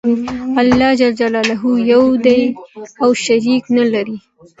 الله ج یو دی او شریک نلری.